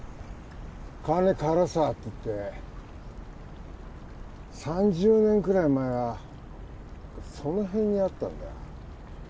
川根唐沢って言って３０年くらい前はそのへんにあったんだよ。